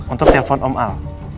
untuk telpon om al